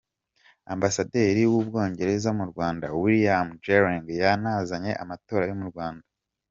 Ambasaderi w’u Bwongereza mu Rwanda, William Gelling, yanenze amatora yo mu Rwanda.